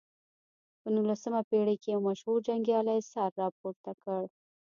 په نولسمه پېړۍ کې یو مشهور جنګیالي سر راپورته کړ.